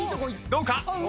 どうか？